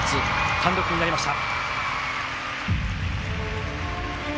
単独になりました。